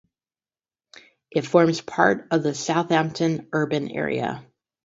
It forms part of the Southampton Urban Area.